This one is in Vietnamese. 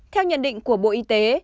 theo nhận định của bộ y tế